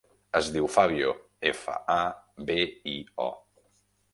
Es diu Fabio: efa, a, be, i, o.